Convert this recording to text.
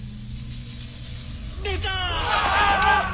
出た！